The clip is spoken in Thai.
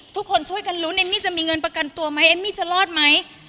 ทุกคนช่วยกันลุ้นเอมมี่จะมีเงินประกันตัวไหมเอมมี่จะรอดไหม